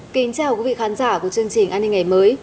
kính chào quý vị khán giả của chương trình an ninh ngày mới